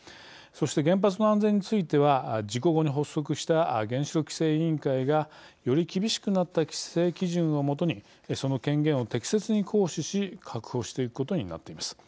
そして原発の安全については事故後に発足した原子力規制委員会がより厳しくなった規制基準を基にその権限を適切に行使し確保していくことになっています。